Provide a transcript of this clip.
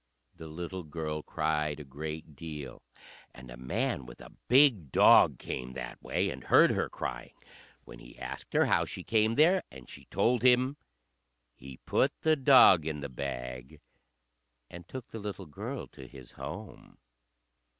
The little girl cried a great deal, and a man with a big dog came that way and heard her crying. When he asked her how she came there and she told him, he put the dog in the bag and took the little girl to his home.